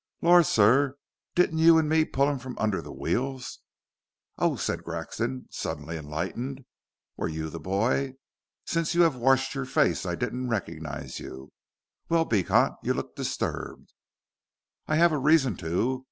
"Lor', sir. Didn't you and me pull him from under the wheels?" "Oh," said Grexon, suddenly enlightened, "were you the boy? Since you have washed your face I didn't recognize you. Well, Beecot, you look disturbed." "I have reason to.